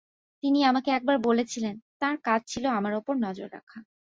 তিনি আমাকে একবার বলেছিলেন, তাঁর কাজ ছিল আমার ওপর নজর রাখা।